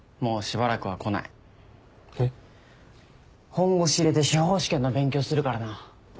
本腰入れて司法試験の勉強するからな。